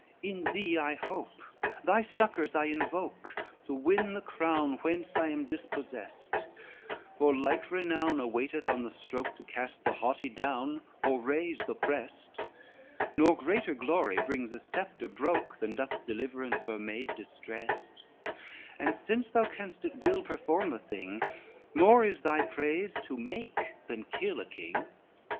XLI "In thee I hope, thy succors I invoke, To win the crown whence I am dispossest; For like renown awaiteth on the stroke To cast the haughty down or raise the opprest; Nor greater glory brings a sceptre broke, Than doth deliverance of a maid distrest; And since thou canst at will perform the thing, More is thy praise to make, than kill a king.